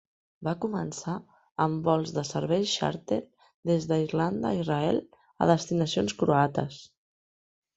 Va començar amb vols de serveis xàrter des d'Irlanda i Israel a destinacions croates.